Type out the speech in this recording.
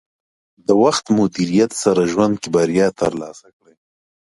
د وخت مدیریت سره ژوند کې بریا ترلاسه کړئ.